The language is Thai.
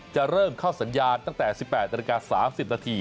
จะเริ่มเข้าสัญญาณตั้งแต่๑๘น๓๐น